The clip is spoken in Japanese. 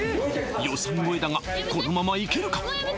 予算超えだがこのままいけるか？